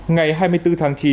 ngày hai mươi bốn tháng chín